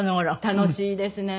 楽しいですね。